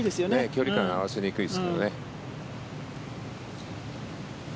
距離感が合わせにくいですからね。